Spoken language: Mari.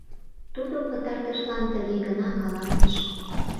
Тудо пытартышлан тыге гына каласыш: